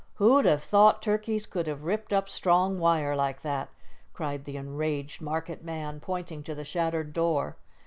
"Who'd have thought turkeys could have ripped up strong wire like that?" cried the enraged market man, pointing to the shattered door.